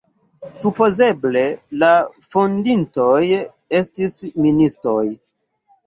Supozeble la fondintoj estis ministoj.